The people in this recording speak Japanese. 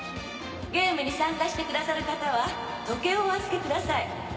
ゲームに参加してくださる方は時計をお預けください。